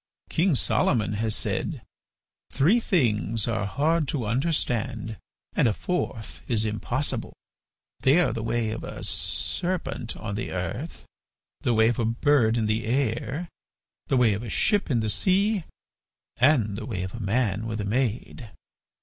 King Solomon has said: 'Three things are hard to understand and a fourth is impossible: they are the way of a serpent on the earth, the way of a bird in the air, the way of a ship in the sea, and the way of a man with a maid!